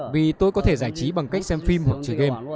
vì tôi có thể giải trí bằng cách xem phim hoặc chơi game